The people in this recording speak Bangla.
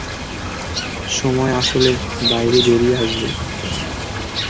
সময় আসলে বাইরে বেরিয়ে আসবে।